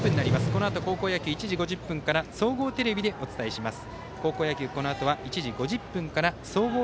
このあと高校野球１時５０分から総合テレビでお伝えします。